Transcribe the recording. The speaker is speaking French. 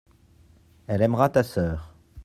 elle aimera ta sœur.